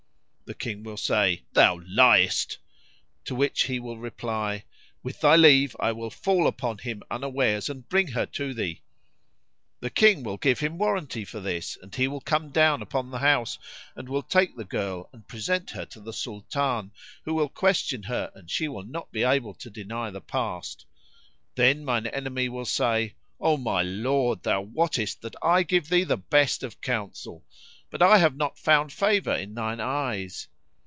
The King will say, 'Thou liest!' to which he will reply, 'With thy leave I will fall upon him unawares and bring her to thee.' The King will give him warranty for this and he will come down upon the house and will take the girl and present her to the Sultan, who will question her and she will not be able to deny the past. Then mine enemy will say, 'O my lord, thou wottest that I give thee the best of counsel; but I have not found favour in thine eyes.'